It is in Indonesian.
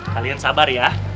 kalian sabar ya